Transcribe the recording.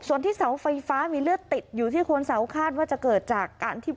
ส่วนที่เสาไฟฟ้ามีเลือดติดอยู่ที่คนเสาคาดว่าจะเกิดจากการที่